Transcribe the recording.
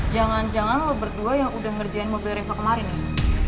jangan jangan lo berdua yang udah ngerjain mobil reva kemarin nih